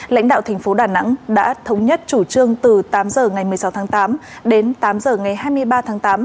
lãnh đạo tp đà nẵng đã thống nhất chủ trương từ tám giờ ngày một mươi sáu tháng tám đến tám giờ ngày hai mươi ba tháng tám